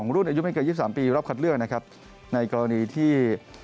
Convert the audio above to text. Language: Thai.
รอบขัดเรื่องในกรณีที่